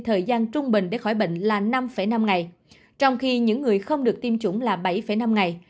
thời gian trung bình để khỏi bệnh là năm năm ngày trong khi những người không được tiêm chủng là bảy năm ngày